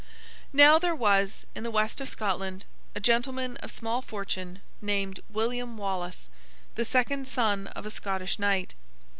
Now, there was, in the West of Scotland, a gentleman of small fortune, named William Wallace, the second son of a Scottish knight.